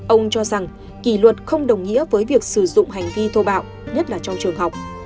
ông cho rằng kỷ luật không đồng nghĩa với việc sử dụng hành vi thô bạo nhất là trong trường học